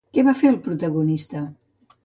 Què va fer el protagonista?